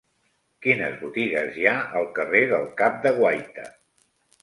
Quines botigues hi ha al carrer del Cap de Guaita?